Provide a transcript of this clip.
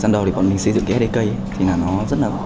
phần đầu thì bọn mình xây dựng cái sdk